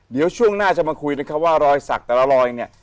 เดี๋ยวช่วงหน้าจะมาคุยนะครับว่ารอยสักแต่ละรอยเนี่ย